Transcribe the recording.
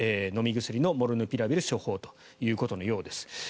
飲み薬のモルヌピラビルを処方ということのようです。